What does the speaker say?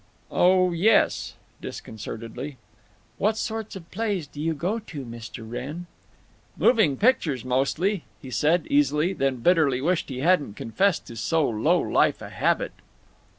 "Oh yes," disconcertedly. "What sorts of plays do you go to, Mr. Wrenn?" "Moving pictures mostly," he said, easily, then bitterly wished he hadn't confessed so low life a habit.